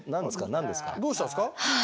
どうしたんですか？